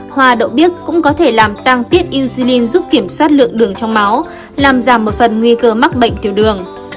hoa đậu biếc cũng có thể làm tăng tiết ucin giúp kiểm soát lượng đường trong máu làm giảm một phần nguy cơ mắc bệnh tiểu đường